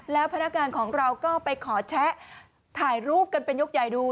แล้วพนักงานของเราก็ไปขอแชะถ่ายรูปกันเป็นยกใหญ่ดู